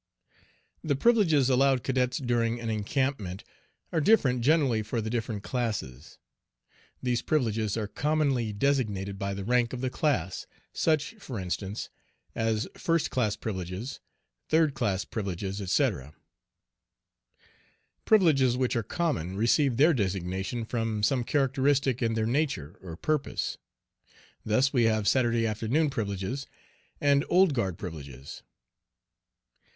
THE privileges allowed cadets during an encampment are different generally for the different classes. These privileges are commonly designated by the rank of the class, such, for instance, as "first class privileges," "third class privileges," etc. Privileges which are common receive their designation from some characteristic in their nature or purpose. Thus we have "Saturday afternoon privileges," and "Old Guard privileges."